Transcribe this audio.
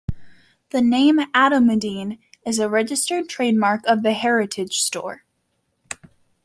The name Atomidine is a registered trademark of The Heritage Store.